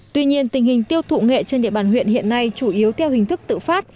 tuy nhiên tình hình tiêu thụ nghệ trên địa bàn huyện hiện nay chủ yếu theo hình thức tự phát